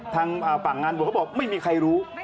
ทางฝั่งงานบวชเขาบอกไม่มีใครรู้